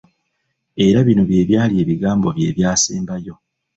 Era bino bye byali ebigambo bye ebyasembayo!